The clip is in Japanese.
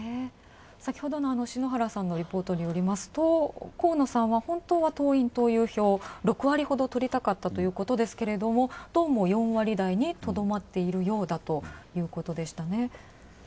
先ほどの篠原さんのリポートによりますと河野さんは本当は党員・党友票６割ほど取りたかったということですけどもどうも４割台にとどまっているようだということでしたね。